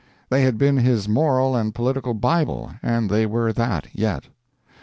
They had been his moral and political Bible, and they were that yet.